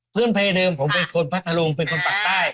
เพื่อนเพย์เดิมผมเป็นคนพัฒนาลุงเป็นคนปากใต้